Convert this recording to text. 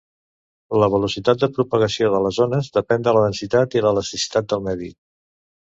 La velocitat de propagació de les ones depèn de la densitat i l'elasticitat del medi.